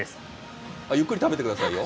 ゆっくり食べてくださいよ。